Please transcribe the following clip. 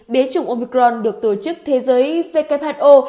biến chủng omicron được tổ chức thế giới who